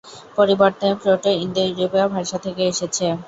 পরিবর্তে প্রোটো-ইন্দো-ইউরোপীয় ভাষা থেকে এসেছে।